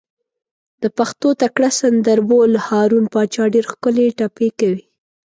د پښتو تکړه سندر بول، هارون پاچا ډېرې ښکلې ټپې کوي.